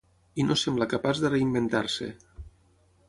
I no sembla capaç de reinventar-se.